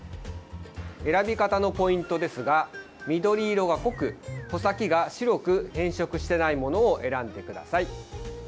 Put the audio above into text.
選び方のポイントですが緑色が濃く穂先が白く変色してないものを選んでください。